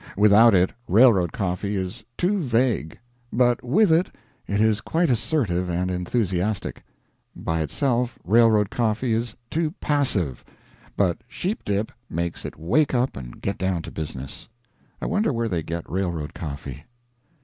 Without it railroad coffee is too vague. But with it, it is quite assertive and enthusiastic. By itself, railroad coffee is too passive; but sheep dip makes it wake up and get down to business. I wonder where they get railroad coffee?